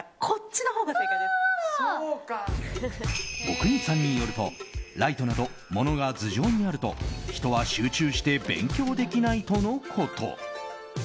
阿国さんによるとライトなど、物が頭上にあると人は集中して勉強できないとのこと。